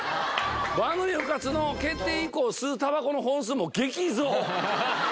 「番組復活の決定以降吸うタバコの本数も激増」！